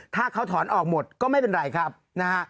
ถ้าเขาถอนออกหมดก็ไม่เป็นไรครับนะฮะ